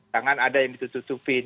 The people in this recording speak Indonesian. jangan ada yang ditutupin